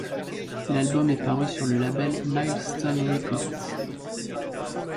L'album est paru sur le label Milestone Records.